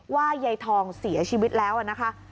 ว่ายายทองเสียชีวิตแล้วนะคะ